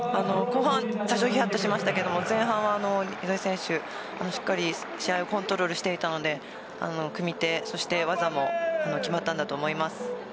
後半はひやっとしましたが前半はしっかり試合をコントロールしていたので組み手、そして技も決まったんだと思います。